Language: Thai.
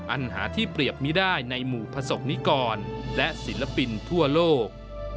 ปัญหาที่เปรียบไม่ได้ในหมู่ประสบนิกรและศิลปินทั่วโลก